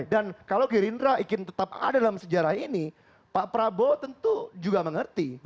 dan kalau gerindra ingin tetap ada dalam sejarah ini pak prabowo tentu juga mengerti